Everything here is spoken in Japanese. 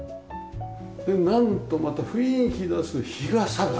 でなんとまた雰囲気出す日傘が！ねえ。